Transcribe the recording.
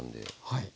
はい。